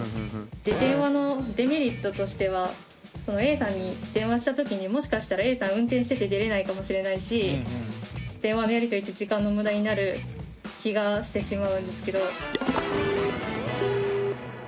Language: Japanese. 電話のデメリットとしてはＡさんに電話した時にもしかしたらＡさん運転してて出れないかもしれないし電話のやりとりって時間のムダになる気がしてしまうんですけど。